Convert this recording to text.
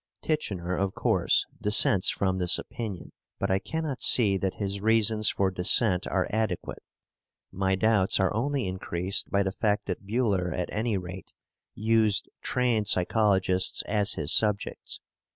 "* Titchener, of course, dissents from this opinion, but I cannot see that his reasons for dissent are adequate. My doubts are only increased by the fact that Buhler at any rate used trained psychologists as his subjects.